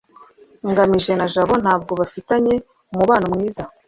ngamije na jabo ntabwo bafitanye umubano mwiza